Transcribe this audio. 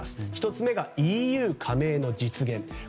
１つ目がＥＵ加盟の実現。